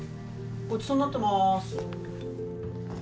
ごちそうになってまーす